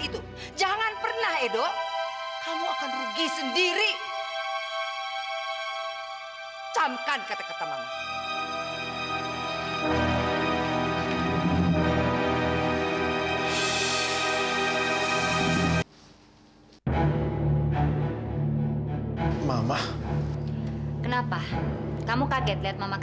itu bisa kan dok